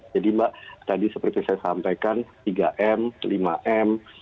jadi mbak tadi seperti saya sampaikan tiga m lima m